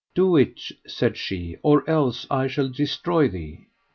Do it, said she, or else I shall destroy thee.